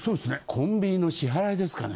コンビニの支払いですかね。